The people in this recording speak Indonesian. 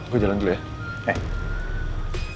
gue jalan dulu ya